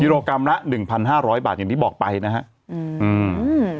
โลกรัมละหนึ่งพันห้าร้อยบาทอย่างที่บอกไปนะฮะอืมอืม